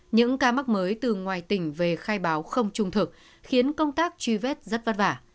những ca mắc mới từ ngoài tỉnh về khai báo không trung thực khiến công tác truy vết rất vất vả